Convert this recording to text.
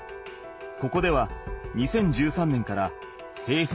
ここでは２０１３年からせいふ